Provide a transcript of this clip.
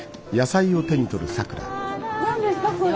何ですかこれ？